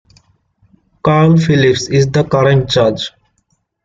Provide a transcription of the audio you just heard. Carl Phillips is the current judge.